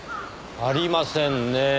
ありませんねぇ。